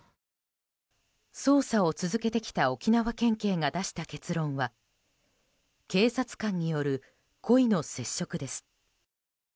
捜査を続けてきた沖縄県警が出した結論は警察官による故意の接触です。